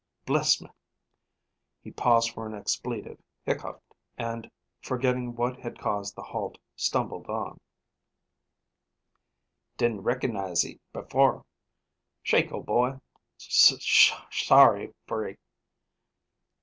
"Bless m' " He paused for an expletive, hiccoughed, and forgetting what had caused the halt, stumbled on: "Didn' rec'gniz' y' b'fore. Shake, ol' boy. S sh sorry for y'."